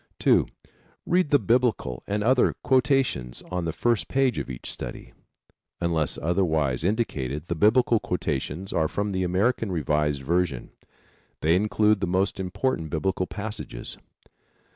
(2) Read the Biblical and other quotations on the first page of each study. Unless otherwise indicated the Biblical quotations are from the American Revised Version. They include the most important Biblical passages.